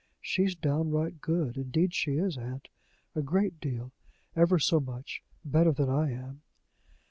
She's downright good; indeed she is, aunt! a great deal, ever so much, better than I am."